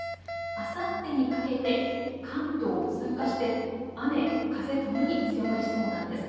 あさってにかけて関東を通過して雨、風ともに強まりそうなんです。